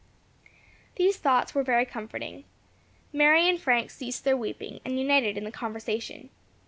These thoughts were very comforting. Mary and Frank ceased their weeping, and united in the conversation.